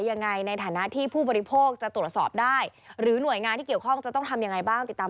ในฐานะที่ผู้บริโภคจะตรวจสอบได้หรือหน่วยงานที่เกี่ยวข้องจะต้องทำยังไงบ้างติดตาม